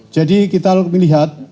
jadi kita lihat